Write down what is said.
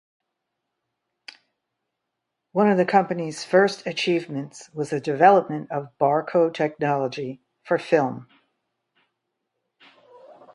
One of the company's first achievements was the development of barcode technology for film.